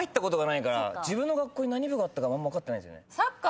自分の学校に何部があったかあんま分かってないんすよね。